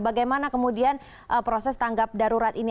bagaimana kemudian proses tanggap darurat ini